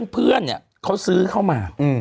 เพื่อนเขาซื้อเข้ามา